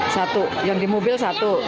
satu yang di mobil satu